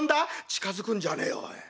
「近づくんじゃねえよおい。